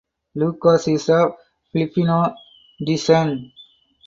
Lucas is of Filipino descent.